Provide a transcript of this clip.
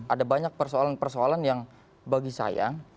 ada banyak persoalan persoalan yang bagi saya